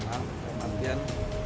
hukum personal kemudian